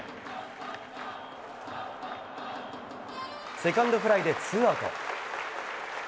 セカンドフライでツーアウト。